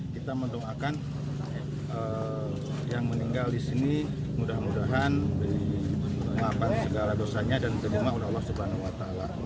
kita mendoakan yang meninggal di sini mudah mudahan segala dosanya dan diterima oleh allah swt